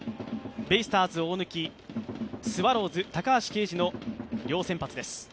ベイスターズ・大貫スワローズ・高橋奎二の両先発です